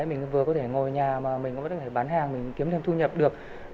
mình vừa có thể ngồi nhà mà mình có thể bán hàng mình kiếm thêm thu nhập được